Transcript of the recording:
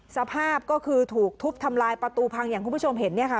สภาพก็คือถูกทุบทำลายประตูพังอย่างคุณผู้ชมเห็นเนี่ยค่ะ